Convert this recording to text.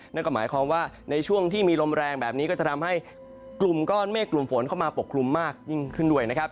นั่นก็หมายความว่าในช่วงที่มีลมแรงแบบนี้ก็จะทำให้กลุ่มก้อนเมฆกลุ่มฝนเข้ามาปกคลุมมากยิ่งขึ้นด้วยนะครับ